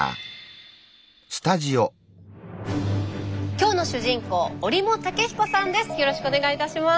今日の主人公折茂武彦さんです。